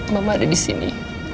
mama ada di sini